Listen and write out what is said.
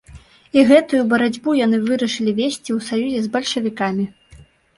І гэтую барацьбу яны вырашылі весці ў саюзе з бальшавікамі.